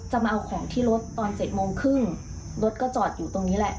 มาเอาของที่รถตอน๗โมงครึ่งรถก็จอดอยู่ตรงนี้แหละ